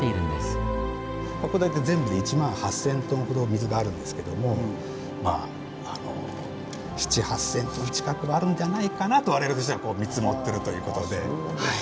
大体全部で１万８，０００ｔほど水があるんですけどもまあ７，０００８，０００ｔ近くはあるんじゃないかなと我々としては見積もってるという事で。